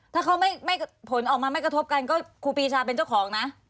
ถ้าเขาไม่ผลออกมาไม่กระทบกันก็ครูปีชาเป็นเจ้าของนะ